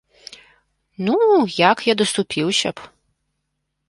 Ну, як я даступіўся б!